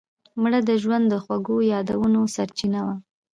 مړه د ژوند د خوږو یادونو سرچینه وه